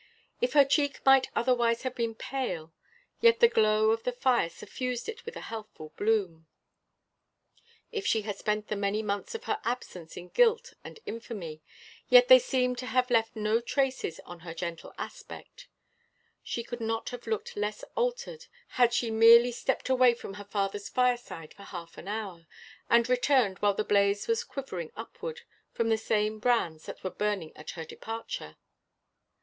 If her cheek might otherwise have been pale, yet the glow of the fire suffused it with a healthful bloom. If she had spent the many months of her absence in guilt and infamy, yet they seemed to have left no traces on her gentle aspect. She could not have looked less altered had she merely stepped away from her father's fireside for half an hour, and returned while the blaze was quivering upward from the same brands that were burning at her departure.